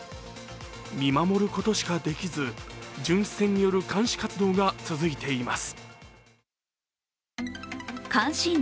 見守ることしかできず、巡視船による監視活動が続いています。